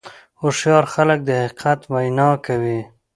هوښیار خلک د حقیقت وینا کوي.